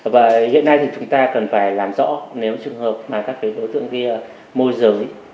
và hiện nay chúng ta cần phải làm rõ nếu trường hợp các đối tượng môi giới